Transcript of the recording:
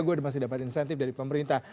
gue masih dapat insentif dari pemerintah